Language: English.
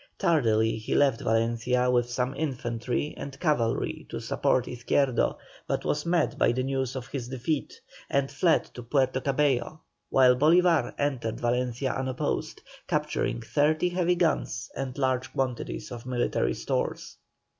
Tardily, he left Valencia with some infantry and cavalry to support Izquierdo, but was met by the news of his defeat, and fled to Puerto Cabello, while Bolívar entered Valencia unopposed, capturing thirty heavy guns and large quantities of military stores.